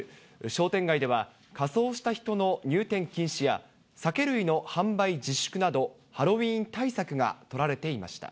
商店街では、仮装した人の入店禁止や、酒類の販売自粛など、ハロウィーン対策が取られていました。